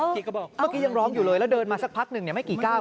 เมื่อกี้ยังร้องอยู่เลยแล้วเดินมาสักพักนึงไม่กี่ก้าว